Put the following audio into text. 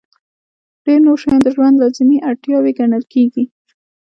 ډېر نور شیان د ژوند لازمي اړتیاوې ګڼل کېږي.